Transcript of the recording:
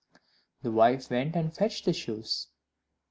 The wife went and fetched the shoes.